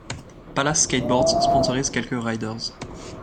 Palace Skateboards sponsorise quelques riders.